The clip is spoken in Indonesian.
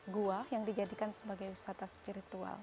gua yang dijadikan sebagai wisata spiritual